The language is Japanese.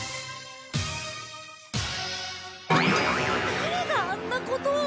誰があんなことを。